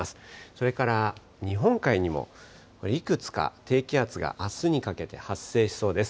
それから日本海にもいくつか低気圧が、あすにかけて発生しそうです。